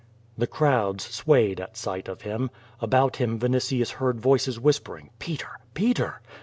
The crowds swayed at sight of him. About him Vinitius / heard voices whispering "Peter! Peter!"